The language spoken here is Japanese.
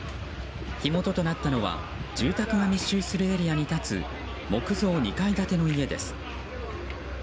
火元となったのは住宅が密集するエリアに立つ木造２階建ての家です。